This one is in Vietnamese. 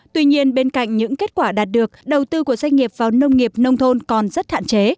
tuy nhiên bên cạnh những kết quả đạt được đầu tư của doanh nghiệp vào nông nghiệp nông thôn còn rất hạn chế